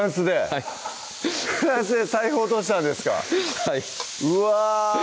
はいフランスで財布落としたんですかはいうわ！